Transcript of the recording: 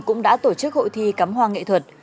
cũng đã tổ chức hội thi cắm hoa nghệ thuật